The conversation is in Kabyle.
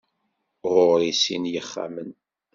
Ɣur-i sin n yixxamen.